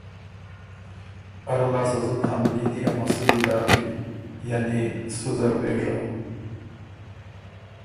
اره لاسته زُت حملي دی ا مسُودی داکِن یعنی سُو زر بېژه